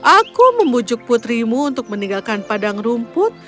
aku membujuk putrimu untuk meninggalkan padang rumput